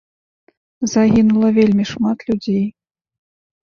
Загінула вельмі шмат людзей.